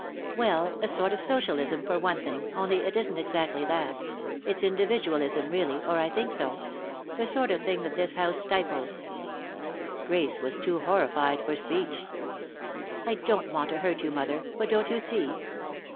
"Well, a sort of Socialism, for one thing, only it isn't exactly that. It's individualism, really, or I think so; the sort of thing that this house stifles." Grace was too horrified for speech. "I don't want to hurt you, mother, but don't you see?